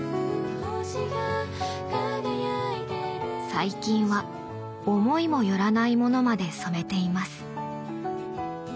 最近は思いもよらないものまで染めています。